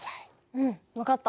うん分かった。